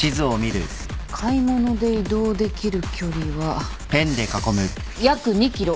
買い物で移動できる距離は約２ｋｍ。